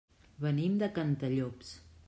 Venim de Cantallops.